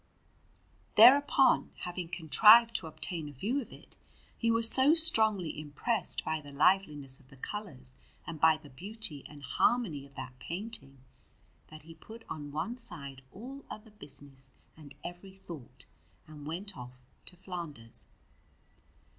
Thereupon, having contrived to obtain a view of it, he was so strongly impressed by the liveliness of the colours and by the beauty and harmony of that painting, that he put on one side all other business and every thought and went off to Flanders.